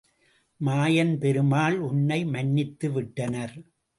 மாயன் பெருமாள் உன்னை மன்னித்து விட்டனர்.